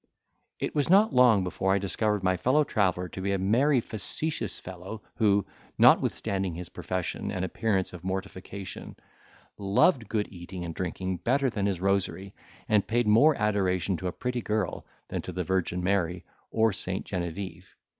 It was not long before I discovered my fellow traveller to be a merry facetious fellow, who, notwithstanding his profession and appearance of mortification, loved good eating and drinking better than his rosary, and paid more adoration to a pretty girl than to the Virgin Mary, or St. Genevieve.